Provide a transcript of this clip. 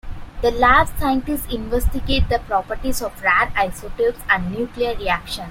The lab’s scientists investigate the properties of rare isotopes and nuclear reactions.